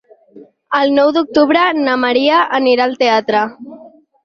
El nou d'octubre na Maria anirà al teatre.